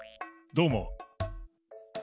どうも。